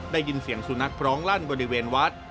ได้ยินเสียงสุนัขร้องลั่นบริเวณวัด